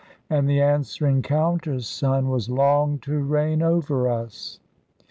and the answering countersign was Long to reign over us!